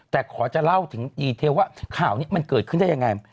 แต่ขอจะเล่าถึงดีเทลว่าข่าวนี้มันเกิดขึ้นได้ยังไง